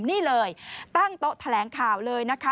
นี่เลยตั้งโต๊ะแถลงข่าวเลยนะคะ